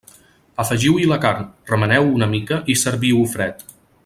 Afegiu-hi la carn, remeneu-ho una mica i serviu-ho fred.